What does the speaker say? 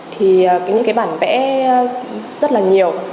thì những cái bản vẽ rất là nhiều